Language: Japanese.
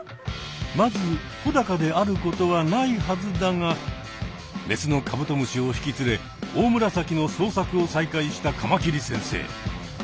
まずほだかであることはないはずだがメスのカブトムシを引き連れオオムラサキの捜索を再開したカマキリ先生。